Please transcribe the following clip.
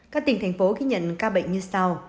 các tỉnh thành phố ghi nhận ca bệnh như sau